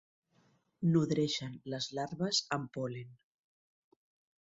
Nodreixen les larves amb pol·len.